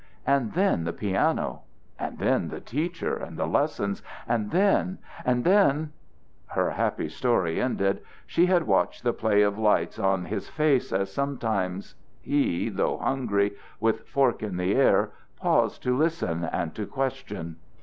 And then the piano! And then the teacher and the lessons! And then, and then Her happy story ended. She had watched the play of lights on his face as sometimes he, though hungry, with fork in the air paused to listen and to question.